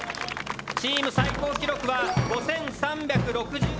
チーム最高記録は５３６８．９７ｍ。